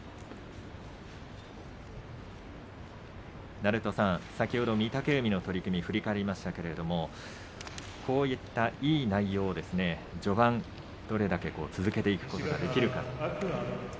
鳴戸さん、先ほど御嶽海の取組を振り返りましたけれどもこういったいい内容を序盤どれだけ続けていくことができるか。